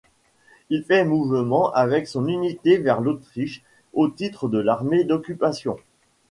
Il fait mouvement avec son unité vers l’Autriche, au titre de l’armée d’occupation.